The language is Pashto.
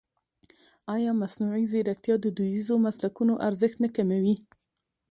ایا مصنوعي ځیرکتیا د دودیزو مسلکونو ارزښت نه کموي؟